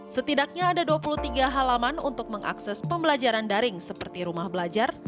setidaknya ada dua puluh tiga halaman untuk mengakses pembelajaran daring seperti rumah belajar